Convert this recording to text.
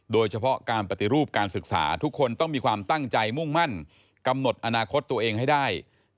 โดยเฉพาะการปฏิรูปการศึกษาทุกคนต้องมีความตั้งใจมุ่งมั่นกำหนดอนาคตตัวเองให้ได้